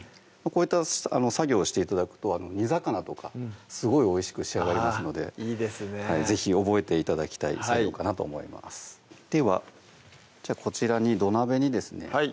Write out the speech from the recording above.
こういった作業をして頂くと煮魚とかすごいおいしく仕上がりますのでいいですね是非覚えて頂きたい作業かなと思いますではこちらに土鍋にですね